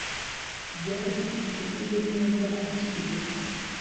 Yari ameze neza akiri muto